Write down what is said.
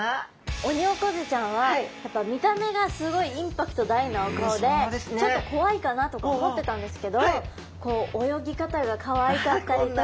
オニオコゼちゃんはやっぱ見た目がすごいインパクト大なお顔でちょっと怖いかなとか思ってたんですけど泳ぎ方がかわいかったりとか。